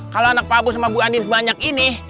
kalau anak paus sama bu andin sebanyak ini